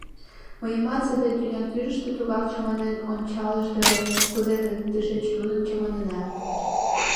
Мыйымат саде тӱня тӱрыштӧ тугак чаманен ончалышт ыле, кузе ме тышеч нуным чаманена.